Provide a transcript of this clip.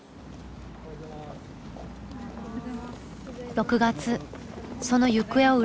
６月その行方を占う